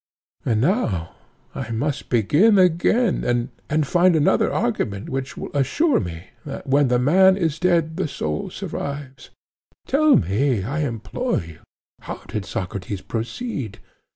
And now I must begin again and find another argument which will assure me that when the man is dead the soul survives. Tell me, I implore you, how did Socrates proceed?